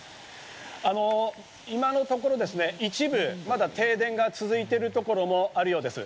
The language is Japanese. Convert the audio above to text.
今のところ、一部停電が続いているところもあるようです。